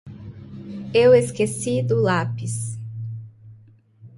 Eu esqueci do lápis.